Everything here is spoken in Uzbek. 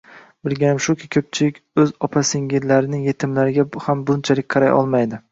Bilganim shuki, ko'pchilik o'z opa-singillarining yetimlariga ham bunchalik qaray olmaydi.